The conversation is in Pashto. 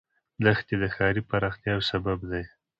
دښتې د ښاري پراختیا یو سبب دی.